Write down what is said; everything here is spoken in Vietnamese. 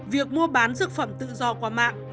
việc mua bán dược phẩm tự do qua mạng